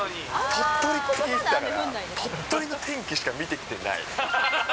鳥取って聞いてたから鳥取の天気しか見てきてない。